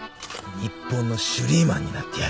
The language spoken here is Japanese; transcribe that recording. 日本のシュリーマンになってやる